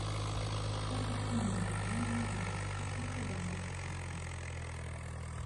Там таксама забаронена вырошчваць і прадаваць тытунь.